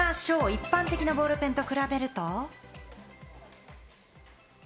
一般的なボールペンと比べると。